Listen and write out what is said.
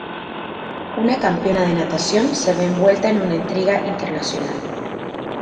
Una campeona de natación se ve envuelta en una intriga internacional.